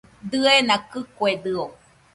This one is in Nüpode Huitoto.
Diena kɨkuedɨo